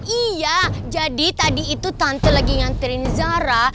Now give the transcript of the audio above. iya jadi tadi itu tante lagi nganterin zara